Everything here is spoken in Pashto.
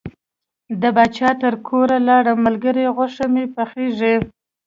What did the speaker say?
د پاچا تر کوره لاړم د ملګري غوښه مې پخیږي.